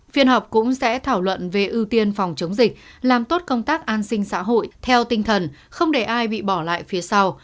phiên họp cũng sẽ thảo luận về ưu tiên phòng chống dịch làm tốt công tác an sinh xã hội theo tinh thần không để ai bị bỏ lại phía sau